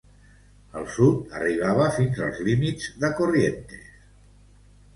Al sud arribava fins als límits de Corrientes.